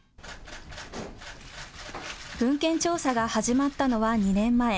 文献調査が始まったのは２年前。